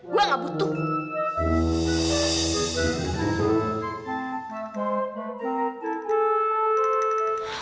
gue nggak butuh